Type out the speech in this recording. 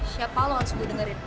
siapa lo yang harus gue dengerin